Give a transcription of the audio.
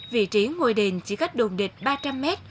vị trí ngôi đền chỉ cách đồn địch ba trăm linh m